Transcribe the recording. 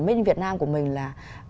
main việt nam của mình là